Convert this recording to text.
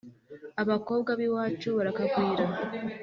Abakobwa b’iwacu barakagwira